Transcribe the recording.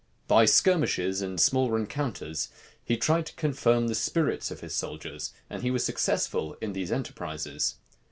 By skirmishes and small rencounters he tried to confirm the spirits of his soldiers; and he was successful in these enterprises.